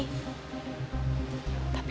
tapi kekuatan apa ya